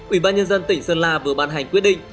ủy ban nhân dân tỉnh sơn la vừa ban hành quyết định